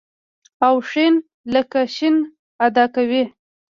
او ښ لکه ش ادا کوي.